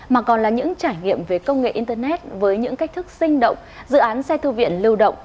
mà còn là những trải nghiệm về công nghệ internet với những cách thức sinh động